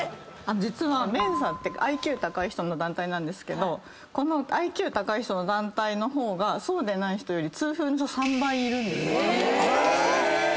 実はメンサってＩＱ高い人の団体なんですけどこのＩＱ高い人の団体の方がそうでない人より。